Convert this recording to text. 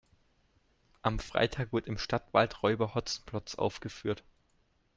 Am Freitag wird im Stadtwald Räuber Hotzenplotz aufgeführt.